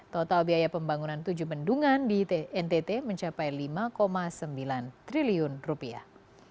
total biaya pembangunan tujuh bendungan di ntt mencapai lima sembilan triliun rupiah